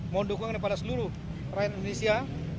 mohon dukungan kepada seluruh rakyat indonesia